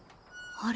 あれ？